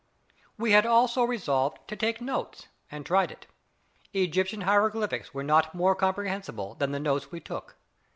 We had also resolved to take notes, and tried it. Egyptian hieroglyphics are not more comprehensible than the notes we took.